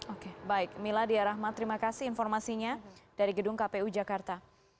oke baik miladia rahma terima kasih informasinya dari gedung kpu jakarta